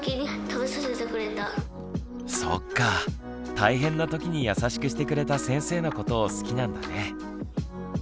大変なときに優しくしてくれた先生のことを好きなんだね。